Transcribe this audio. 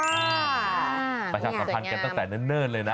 ประชาสัมพันธ์กันตั้งแต่เนิ่นเลยนะ